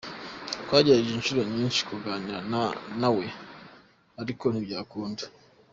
Twagerageje inshuro nyinshi kuganira na we, ariko ntibyakunda".